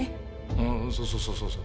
ああそうそうそうそう。